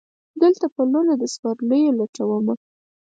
دلته پلونه د سپرلیو لټومه